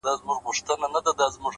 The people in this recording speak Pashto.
سیاه پوسي ده؛ رنگونه نسته؛